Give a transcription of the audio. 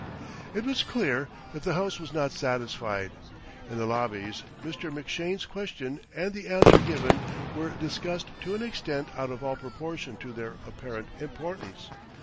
It was clear that the House was not satisfied. In the lobbies Mr. McShane's question and the answer given were discussed to an extent out of all proportion to their apparent importance.